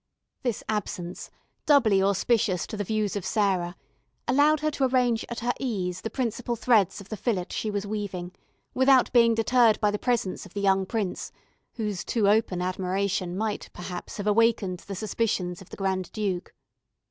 This absence, doubly auspicious to the views of Sarah, allowed her to arrange at her ease the principal threads of the fillet she was weaving, without being deterred by the presence of the young prince, whose too open admiration might, perhaps, have awakened the suspicions of the Grand Duke.